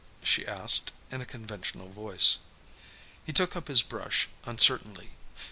she asked, in a conventional voice. He took up his brush uncertainly.